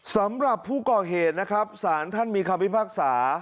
สำหรับผู้ก่อเหตุนะครับสารท่านมีคำพิพากษา